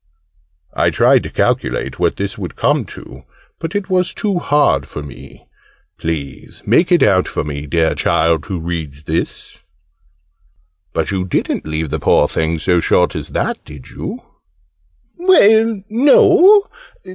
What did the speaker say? I tried to calculate what this would come to, but it was too hard for me. Please make it out for me, dear Child who reads this! "But you didn't leave the poor thing so short as that, did you?" "Well, no.